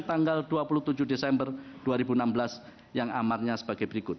tanggal dua puluh tujuh desember dua ribu enam belas yang amarnya sebagai berikut